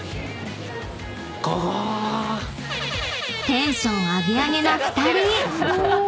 ［テンションアゲアゲな２人！］